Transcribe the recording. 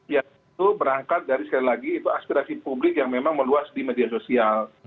ya itu berangkat dari sekali lagi itu aspirasi publik yang memang meluas di media sosial